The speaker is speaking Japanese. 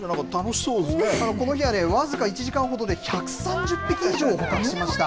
この日はね、僅か１時間ほどで１３０匹以上捕獲しました。